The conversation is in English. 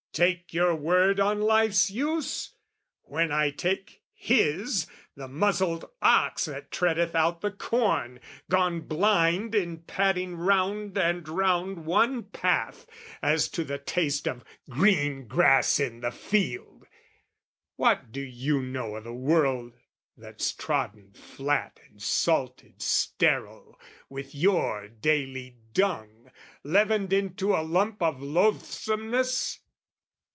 Take your word on life's use? When I take his The muzzled ox that treadeth out the corn, Gone blind in padding round and round one path, As to the taste of green grass in the field! What do you know o' the world that's trodden flat And salted sterile with your daily dung, Leavened into a lump of loathsomeness?